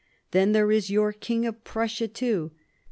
Then there is your King of Prussia too.